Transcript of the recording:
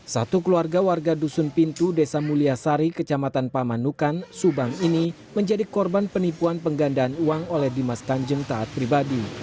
satu keluarga warga dusun pintu desa mulyasari kecamatan pamanukan subang ini menjadi korban penipuan penggandaan uang oleh dimas kanjeng taat pribadi